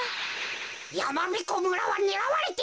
やまびこ村はねらわれている。